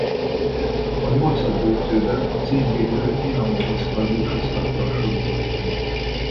A nyolcaddöntőben a címvédő Dinamo Moszkva búcsúztatta a sorozattól.